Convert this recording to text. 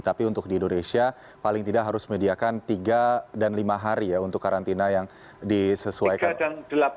tapi untuk di indonesia paling tidak harus menyediakan tiga dan lima hari ya untuk karantina yang disesuaikan